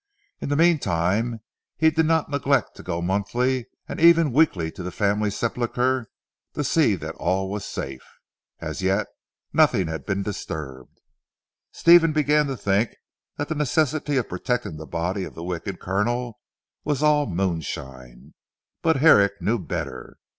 In the meantime he did not neglect to go monthly and even weekly to the family sepulchre to see that all was safe. As yet nothing had been disturbed. Stephen began to think that the necessity of protecting the body of the wicked Colonel was all moonshine. But Herrick knew better.